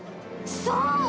そう！